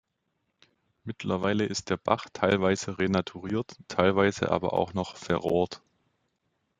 Mittlerweile ist der Bach teilweise renaturiert, teilweise aber auch noch verrohrt.